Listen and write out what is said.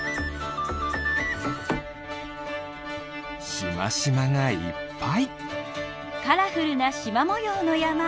しましまがいっぱい。